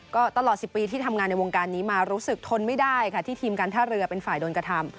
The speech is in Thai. ก็ตลอด๑๐ปีที่ทำงานในวงการนี้มารู้สึกทนไม่ได้ค่ะที่ทีมการท่าเรือเป็นฝ่ายโดนกระทำ